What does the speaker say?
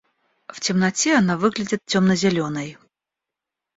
В темноте она выглядит темно-зеленой.